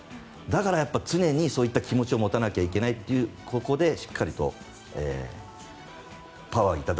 だから常にそういった気持ちを持たなきゃいけないって、ここでしっかりとパワーを頂いた。